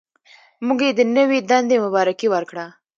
موږ یې د نوې دندې مبارکي ورکړه.